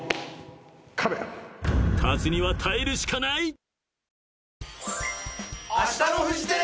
勝つには耐えるしかない！